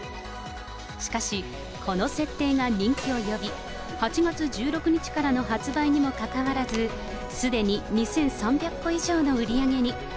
しかし、この設定が人気を呼び、８月１６日からの発売にもかかわらず、すでに２３００個以上の売り上げに。